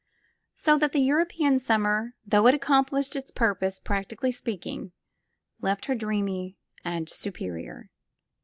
So that the European summer, though it accomplished its purpose, practically speaking, left her dreamy and superior.